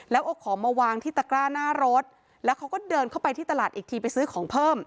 แล้วเอาของมาวางที่ตะกร้าหน้ารถแล้วเขาก็เดินเข้าไปที่ตลาดอีกทีไปซื้อของเพิ่ม